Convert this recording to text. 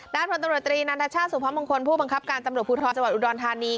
ผลตำรวจตรีนันทชาติสุพมงคลผู้บังคับการตำรวจภูทรจังหวัดอุดรธานี